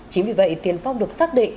chính vì vậy tiền phong được xác định